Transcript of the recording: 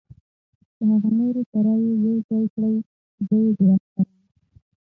له هغه نورو سره یې یو ځای کړئ، زه یې د افسرانو.